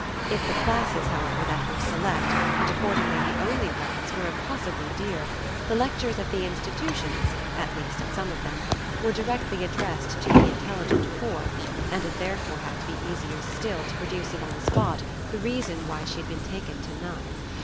If the classes, however, that were select, and accordingly the only ones, were impossibly dear, the lectures at the institutions at least at some of them were directly addressed to the intelligent poor, and it therefore had to be easier still to produce on the spot the reason why she had been taken to none.